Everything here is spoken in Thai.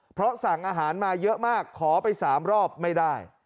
เพราะสั่งอาหารมาเยอะมากขอไป๓รอบไม่ได้